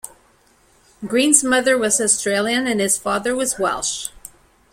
Green's mother was Australian and his father was Welsh.